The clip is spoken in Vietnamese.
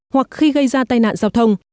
hoặc khi gây ra tai nạn giao thông